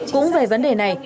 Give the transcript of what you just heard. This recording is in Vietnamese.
cũng về vấn đề này